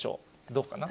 どうかな？